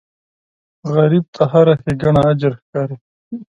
غریب ته هره ښېګڼه اجر ښکاري